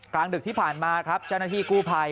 กลางดึกที่ผ่านมาครับเจ้าหน้าที่กู้ภัย